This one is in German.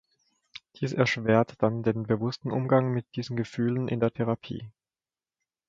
Dies erschwert dann den bewussten Umgang mit diesen Gefühlen in der Therapie.